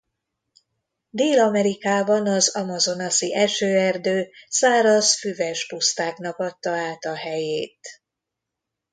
Dél-Amerikában az amazonasi esőerdő száraz füves pusztáknak adta át a helyét.